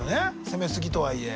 攻めすぎとはいえ。